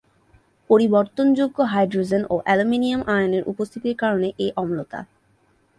পরিবর্তনযোগ্য hydrogen ও aluminium আয়নের উপস্থিতির কারণে এ অম্লতা।